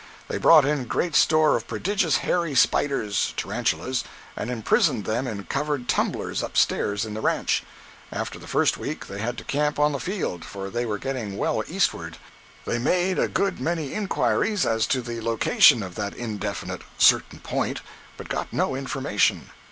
They brought in great store of prodigious hairy spiders—tarantulas—and imprisoned them in covered tumblers up stairs in the "ranch." After the first week, they had to camp on the field, for they were getting well eastward. They made a good many inquiries as to the location of that indefinite "certain point," but got no information.